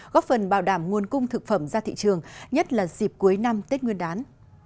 góp phần bảo đảm nguồn cung thực phẩm ra thị trường nhất là dịp cuối năm tết nguyên đán